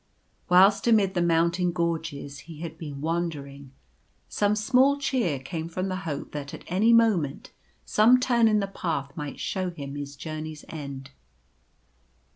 Whilst amid the mountain gorges he had been wandering, some small cheer came from the hope that at any moment some turn in the path might show him his journey's end.